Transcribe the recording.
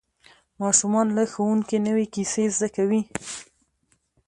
ماشومان له ښوونکي نوې کیسې زده کوي